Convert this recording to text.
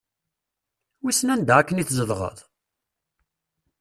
Wissen anda akken i tezdɣeḍ?